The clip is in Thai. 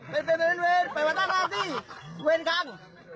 เป็นเวรปฏิบัติหน้าที่เวรกลาง